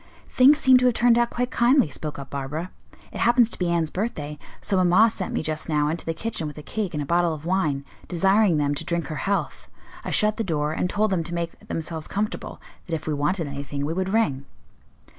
"Things seem to have turned out quite kindly," spoke up Barbara. "It happens to be Anne's birthday, so mamma sent me just now into the kitchen with a cake and a bottle of wine, desiring them to drink her health. I shut the door and told them to make themselves comfortable; that if we wanted anything we would ring."